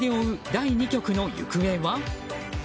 第２局の行方は？